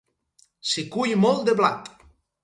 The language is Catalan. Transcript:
S'hi cull molt de blat.